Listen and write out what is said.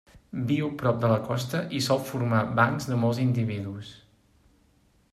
Viu prop de la costa i sol formar bancs de molts individus.